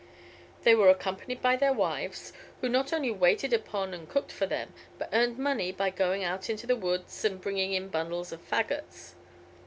They were accompanied by their wives, who not only waited upon and cooked for them, but earned money by going out into the woods and bringing in bundles of faggots.